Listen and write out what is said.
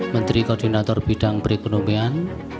menteri koordinator bidang perekonomian